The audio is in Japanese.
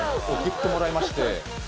送ってもらいまして。